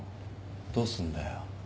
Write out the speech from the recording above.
どうすんだよ。